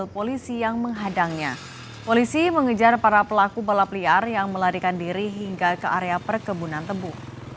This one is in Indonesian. polisi yang menghadangnya polisi mengejar para pelaku balap liar yang melarikan diri hingga ke area perkebunan tebu